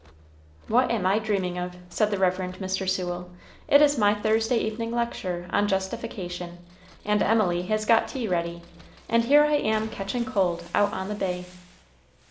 "What am I dreaming of?" said the Rev. Mr. Sewell. "It is my Thursday evening lecture on Justification, and Emily has got tea ready, and here I am catching cold out on the bay."